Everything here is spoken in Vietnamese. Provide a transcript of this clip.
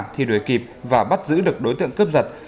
thi đuổi kịp và bắt giữ được đối tượng cướp giật